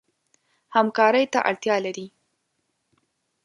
همکارۍ ته اړتیا لري.